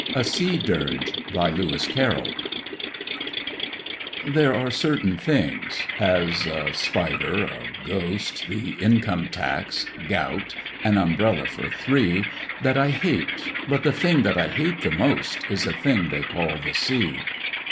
A SEA DIRGE [Picture: The sea, beach and children] THERE are certain things—as, a spider, a ghost, The income tax, gout, an umbrella for three— That I hate, but the thing that I hate the most Is a thing they call the Sea.